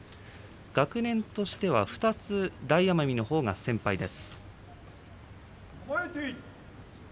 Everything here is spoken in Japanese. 学年としては２つ大奄美のほうが先輩です。